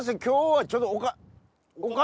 今日はちょっと。